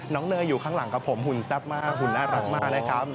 เนยอยู่ข้างหลังกับผมหุ่นแซ่บมากหุ่นน่ารักมากนะครับ